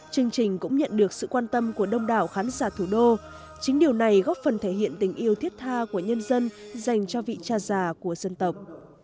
chương trình cũng nhận được sự quan tâm của đông đảo khán giả thủ đô chính điều này góp phần thể hiện tình yêu thiết tha của nhân dân dành cho vị cha già của dân tộc